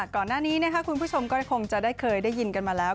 ก่อนหน้านี้คุณผู้ชมก็คงจะได้เคยได้ยินกันมาแล้ว